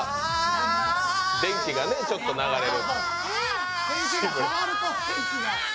電気がちょっと流れる。